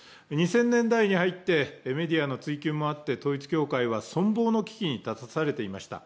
２０００年代に入ってメディアの追及もあって、統一教会は存亡の危機に立たされていました。